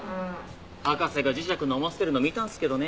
博士が磁石飲ませてるの見たんですけどね。